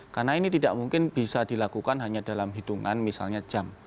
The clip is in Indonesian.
karena ini tidak mungkin bisa dilakukan hanya dalam hitungan misalnya jam